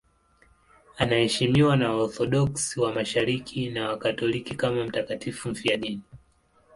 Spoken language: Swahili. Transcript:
Anaheshimiwa na Waorthodoksi wa Mashariki na Wakatoliki kama mtakatifu mfiadini.